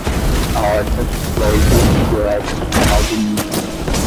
aorta, golgi, bioética, albumina